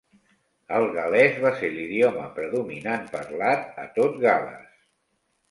El gal·lès va ser l'idioma predominant parlat a tot Gal·les.